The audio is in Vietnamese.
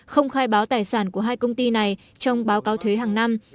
không khai báo tài sản của hai công ty này trong báo cáo thuế hàng năm